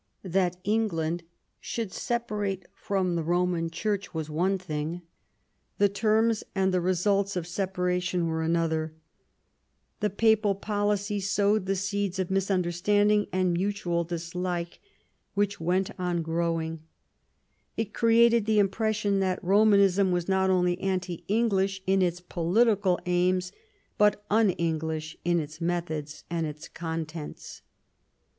That England should separate from the Roman Church was one thing; the terms and the results of the separation were another. The Papal policy sowed the seeds of THE ALENgON MARRIAGE. 203 misunderstanding and mutual dislike, which went on growing. It created the impression that Romanism was not only anti English in its political aims, but un English in its methods and in its contents.